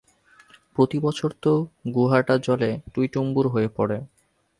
প্রতিবছর তো গুহাটা জলে টইটুম্বুর হয়ে পড়ে।